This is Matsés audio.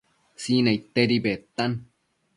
Sinaidtedi bedtan